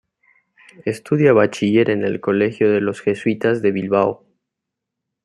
Estudia Bachiller en el Colegio de los Jesuitas de Bilbao.